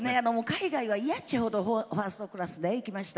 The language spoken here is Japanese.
海外は嫌っちゅうほどファーストクラスで行きました。